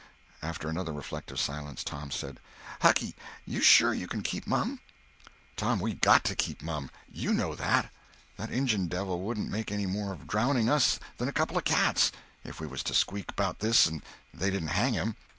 After another reflective silence, Tom said: "Hucky, you sure you can keep mum?" "Tom, we got to keep mum. You know that. That Injun devil wouldn't make any more of drownding us than a couple of cats, if we was to squeak 'bout this and they didn't hang him.